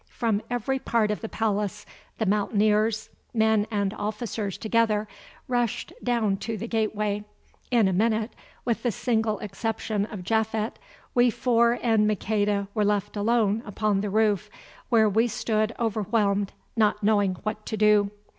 From every part of the palace, the Mountaineers, men and officers together, rushed down to the gateway. In a minute, with the single exception of Japhet, we four and Maqueda were left alone upon the roof, where we stood overwhelmed, not knowing what to do.